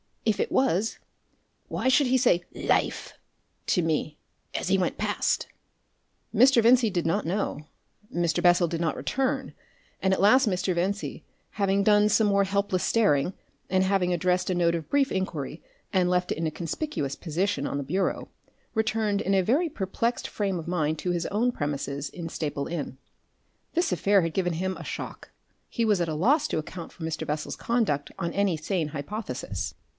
"If it was, why should he say 'LIFE' to me as he went past?" Mr. Vincey did not know. Mr. Bessel did not return, and at last Mr. Vincey, having done some more helpless staring, and having addressed a note of brief inquiry and left it in a conspicuous position on the bureau, returned in a very perplexed frame of mind to his own premises in Staple Inn. This affair had given him a shock. He was at a loss to account for Mr. Bessel's conduct on any sane hypothesis.